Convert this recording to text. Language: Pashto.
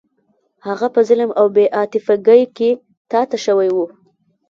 هغه په ظلم او بې عاطفګۍ کې تا ته شوی و.